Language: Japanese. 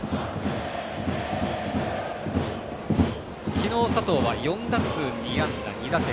昨日、佐藤は４打数２安打２打点。